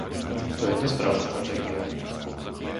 To je nesprávna stratégia.